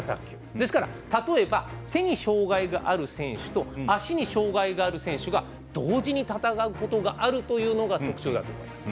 ですから例えば手に障がいがある選手と足に障がいがある選手が同時に戦うことがあるというのが特徴だと思います。